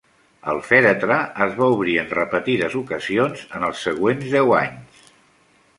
El fèretre es va obrir en repetides ocasions en els següents deu anys.